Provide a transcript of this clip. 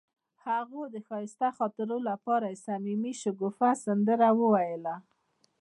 هغې د ښایسته خاطرو لپاره د صمیمي شګوفه سندره ویله.